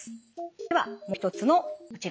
ではもう一つのこちら。